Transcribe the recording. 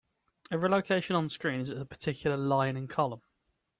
Every location onscreen is at a particular line and column.